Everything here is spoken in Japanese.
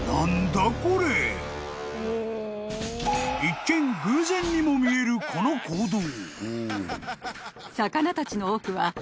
［一見偶然にも見えるこの行動］